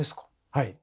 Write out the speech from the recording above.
はい。